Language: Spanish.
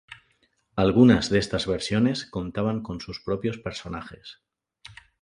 Algunas de estas versiones contaban con sus propios personajes.